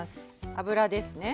油ですね